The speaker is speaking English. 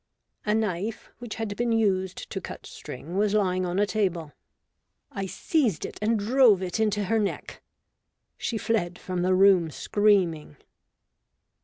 A knife which had been used to cut string was lying on a table : I seized it and drove WHEN I WAS DEAD. I39 it into her neck. She fled from the room screaming.